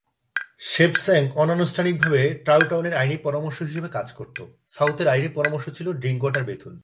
Sheepshanks অনানুষ্ঠানিকভাবে ট্রাউটনের আইনি পরামর্শ হিসেবে কাজ করত; সাউথের আইনি পরামর্শ ছিল ড্রিংকওয়াটার বেথুন।